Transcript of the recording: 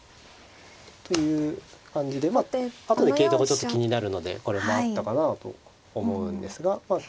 という感じでまあ後で桂頭がちょっと気になるのでこれもあったかなと思うんですが。